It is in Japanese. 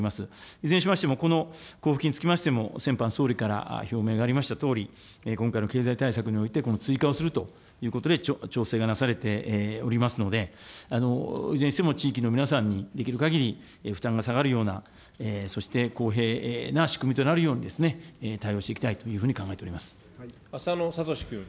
いずれにしましてもこの交付金につきましても、先般、総理から表明がありましたとおり、今回の経済対策において、この追加をするということで、調整がなされておりますので、いずれにしても地域の皆さんに、できるかぎり負担が下がるような、そして公平な仕組みとなるように、対応していきたいというふうに考浅野哲君。